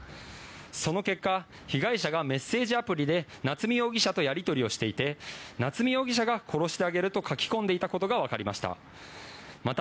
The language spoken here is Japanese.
その結果被害者がメッセージアプリで夏見容疑者とやり取りをしていて夏見容疑者が殺してあげると書き込んでいたことが分かりました。